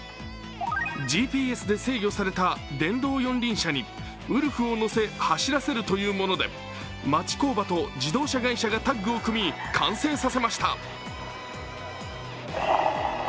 ＧＰＳで制御された電動四輪車にウルフを乗せ走らせるというもので町工場と自動車会社がタッグを組み、完成させました。